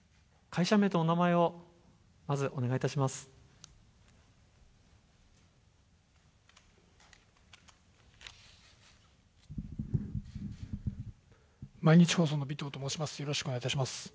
会社名とお名前をまずお願いいたします。